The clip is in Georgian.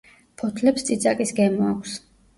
ფოთლებს წიწაკის გემო აქვს.